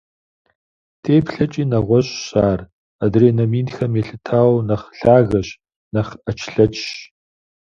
ТеплъэкӀи нэгъуэщӀщ ар, адрей номинхэм елъытауэ, нэхъ лъагэщ, нэхъ Ӏэчлъэчщ.